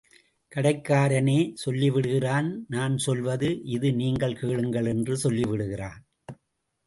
கடைக்காரனே சொல்லிவிடுகிறான் நான் சொல்வது இது நீங்கள் கேளுங்கள் என்று சொல்லிவிடுகிறான்.